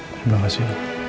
terima kasih ya